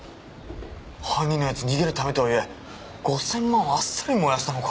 犯人のやつ逃げるためとはいえ５０００万をあっさり燃やしたのか。